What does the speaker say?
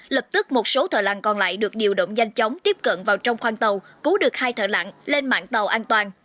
lập tức một số thợ lặn còn lại được điều động nhanh chóng tiếp cận vào trong khoang tàu cứu được hai thợ lặn lên mạng tàu an toàn